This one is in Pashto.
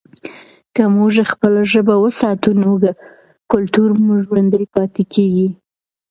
که موږ خپله ژبه وساتو نو کلتور مو ژوندی پاتې کېږي.